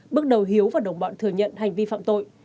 bước đầu hiếu và đồng bọn thừa nhận hành vi phạm tội